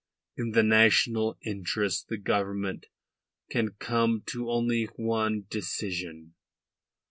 In the national interest the Government can come to only one decision.